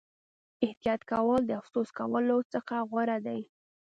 احتیاط کول د افسوس کولو څخه غوره دي.